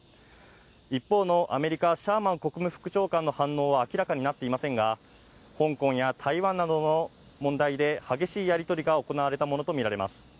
一方のアメリカ、シャーマン副長官の反応は明らかになっていませんが、香港や台湾などの問題で、激しいやり取りが行われたものと見られます。